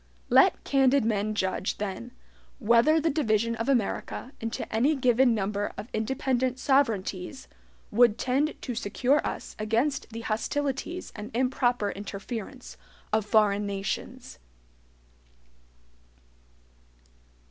Let candid men judge, then, whether the division of America into any given number of independent sovereignties would tend to secure us against the hostilities and improper interference of foreign nations.